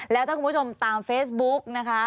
แล้วถ้าคุณผู้ชมตามเฟซบุ๊กนะคะ